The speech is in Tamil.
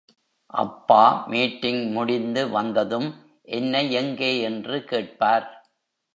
அப்பா மீட்டிங் முடிந்து வந்ததும், என்னை எங்கே என்று கேட்பார்.